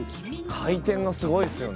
回転がすごいですよね。